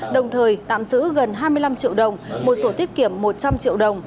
đồng thời tạm giữ gần hai mươi năm triệu đồng một sổ tiết kiệm một trăm linh triệu đồng